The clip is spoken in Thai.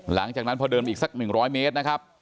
หลังจากนั้นพอเดิมอีกสัก๑๐๐เมตรนะครับ